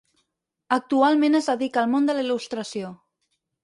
Actualment es dedica al món de la il·lustració.